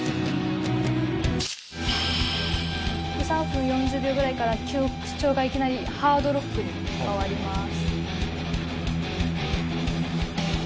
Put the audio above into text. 「３分４０秒ぐらいから曲調がいきなりハードロックに変わります」